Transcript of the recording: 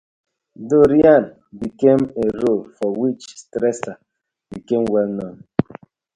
Dorian became a role for which Strasser became well known.